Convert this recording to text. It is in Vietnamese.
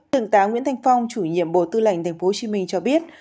thượng tá nguyễn thanh phong chủ nhiệm bộ tư lệnh tp hcm cho biết